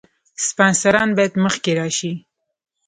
سپانسران باید مخکې راشي.